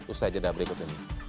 usai jeda berikut ini